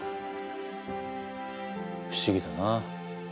不思議だな。